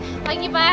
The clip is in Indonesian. selamat pagi pak